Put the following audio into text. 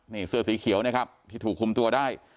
นี่เสื้อสีเขียวนะครับที่ถูกคุมตัวได้